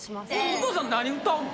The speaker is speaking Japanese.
お父さん何歌うの？